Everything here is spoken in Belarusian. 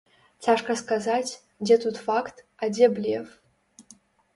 Цяжка сказаць, дзе тут факт, а дзе блеф.